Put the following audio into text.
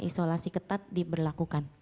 isolasi ketat diberlakukan